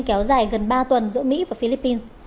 kéo dài gần ba tuần giữa mỹ và philippines